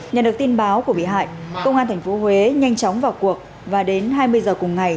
nhận được tin báo của bị hại công an tp huế nhanh chóng vào cuộc và đến hai mươi giờ cùng ngày